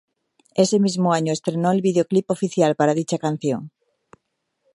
Ese mismo año estrenó el videoclip oficial para dicha canción.